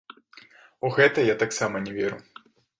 У гэта я таксама не веру.